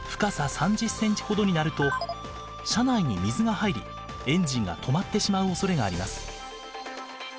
３０ｃｍほどになると車内に水が入りエンジンが止まってしまうおそれがあります。